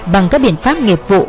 bằng các biện pháp nghiệp vụ